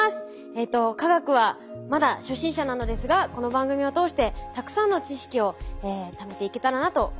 えっと科学はまだ初心者なのですがこの番組を通してたくさんの知識をためていけたらなと思います。